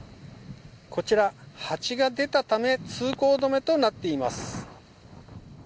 こちら、蜂が出たため通行止めとなっています。